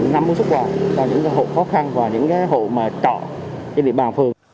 nắm sức quà cho những hộ khó khăn và những hộ mà tỏ trên địa bàn phường